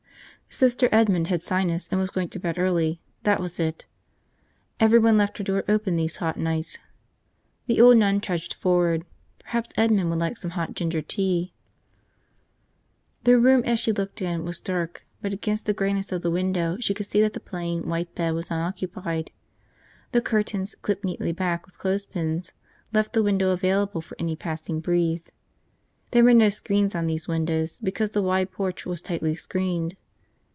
Sister Edmond had sinus and was going to bed early, that was it. Everyone left her door open these hot nights. The old nun trudged forward. Perhaps Edmond would like some hot ginger tea. The room, as she looked in, was dark but against the grayness of the window she could see that the plain white bed was unoccupied. The curtains, clipped neatly back with clothespins, left the window available for any passing breeze. There were no screens on these windows because the wide porch was tightly screened.